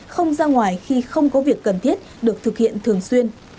không ra ngoài khi không có việc cần thiết được thực hiện thường xuyên